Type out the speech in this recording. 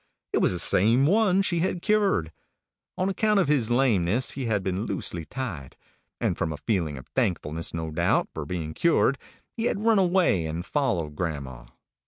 It was the same one she had cured. On account of his lameness, he had been loosely tied, and from a feeling of thankfulness, no doubt, for being cured, he had run away and followed grandma.